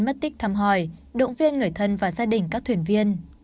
mất tích thăm hỏi động viên người thân và gia đình các thuyền viên